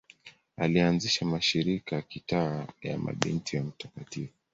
Alianzisha mashirika ya kitawa ya Mabinti wa Mt.